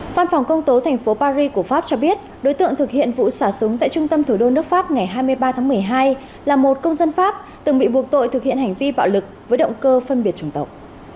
văn phòng công tố thành phố paris của pháp cho biết đối tượng thực hiện vụ xả súng tại trung tâm thủ đô nước pháp ngày hai mươi ba tháng một mươi hai là một công dân pháp từng bị buộc tội thực hiện hành vi bạo lực với động cơ phân biệt chủng tộc